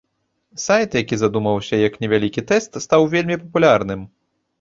Сайт, які задумваўся як невялікі тэст, стаў вельмі папулярным.